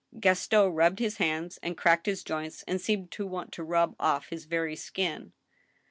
Gaston rubbed his hands and cracked his joints, and seemed to want to rub off his very skin.